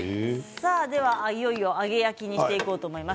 いよいよ揚げ焼きにしていこうと思います。